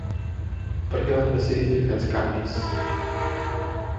Per què van decidir fer aquests canvis?